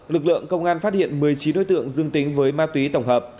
lực lượng công an phát hiện một mươi chín đối tượng dương tính với ma túy tổng hợp